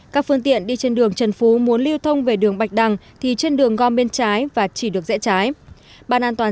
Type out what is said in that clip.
các phương tiện đi trên đường trần phú muốn lưu thông về đường bạch đăng thì trên đường gom bên trái và chỉ được rẽ trái